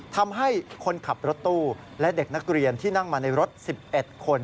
ทำให้คนขับรถตู้และเด็กนักเรียนที่นั่งมาในรถ๑๑คน